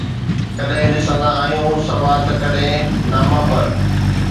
ڪڏهن ڏسندا آهيون صبا ته ڪڏهن ناما بر